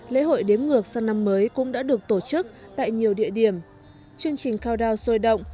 bước vượt sang năm mới cũng đã được tổ chức tại nhiều địa điểm chương trình countdown sôi động